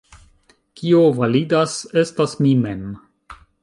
Kio validas, estas mi mem.